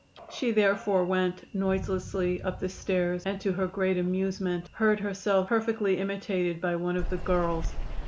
She therefore went noiselessly up the stairs, and, to her great amusement, heard herself perfectly imitated by one of the girls.